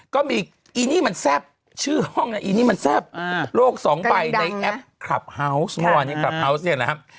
ก็มีอีนี่มันแซ่บชื่อห้องนะอีนี่มันแซ่บโลกสองใบในแอปคลับเฮาวส์เมื่อวานนี้คลับเฮาส์เนี่ยนะครับ